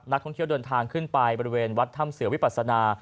นักท่องเที่ยวเดินทางขึ้นไปบริเวณวัดถ้ำเสือวิปัสนา